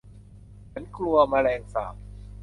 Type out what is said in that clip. ฉันกลัวแมลงสาบ